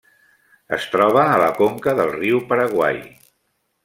Es troba a la conca del riu Paraguai.